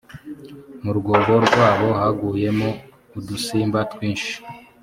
mu rwobo rwabo haguyemo udusimba twinshi